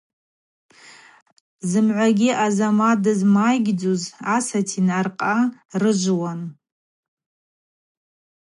Зымгӏвагьи Азамат дызмайгьдзуз асатин аркъа рыжвуан.